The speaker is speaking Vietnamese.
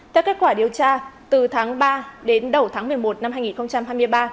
theo kết quả điều tra từ tháng ba đến đầu tháng một mươi một năm hai nghìn hai mươi ba